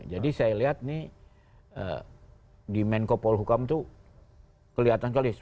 jadi saya lihat nih di menko polhukam tuh kelihatan kalis